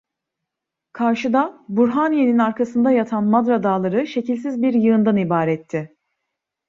Karşıda, Burhaniye'nin arkasında yatan Madra Dağları şekilsiz bir yığından ibaretti.